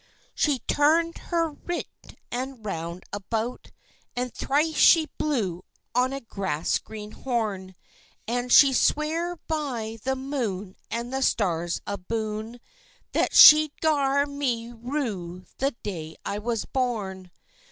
She's turn'd her richt and round about, And thrice she blew on a grass green horn; And she sware by the moon and the stars aboon, That she'd gar me rue the day I was born.